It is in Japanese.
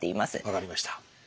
分かりました。